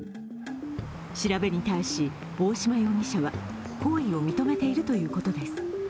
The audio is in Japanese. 調べに対し、大嶋容疑者は行為を認めているということです。